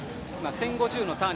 １０５０のターン。